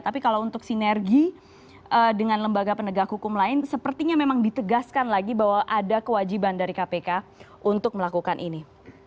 tapi kalau untuk sinergi dengan lembaga penegak hukum lain sepertinya memang ditegaskan lagi bahwa ada kewajiban dari kpk untuk melakukan ini